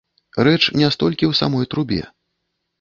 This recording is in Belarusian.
Рэч не столькі ў самой трубе.